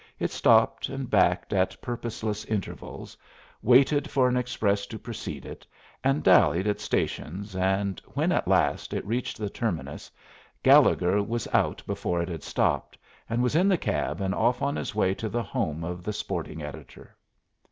It stopped and backed at purposeless intervals, waited for an express to precede it, and dallied at stations, and when, at last, it reached the terminus, Gallegher was out before it had stopped and was in the cab and off on his way to the home of the sporting editor.